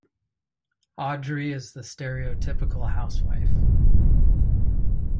Audrey is the stereotypical housewife.